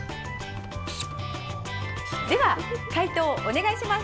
では解答をお願いします。